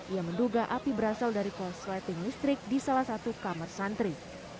ia menduga api berasal dari korsleting listrik di salah satu kamar santri